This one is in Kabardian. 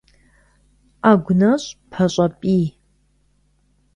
Ӏэгу нэщӀ пащӀэ пӀий.